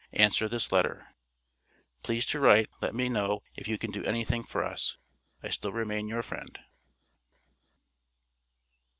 Ancer this letter. Pleas to writ let me no if you can do anything for us. I still remain your friend.